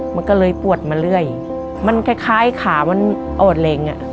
มันก็เลยปวดมาเรื่อยมันคล้ายขามันอ่อนเหล็งอ่ะ